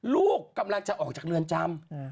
ลูกกำลังจะออกจากเรือนจำ